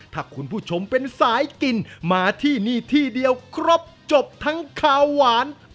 ถ้าคุณผู้ชมเป็นสายกินมาที่นี่ที่เดียวครบจบทั้งขาวหวาน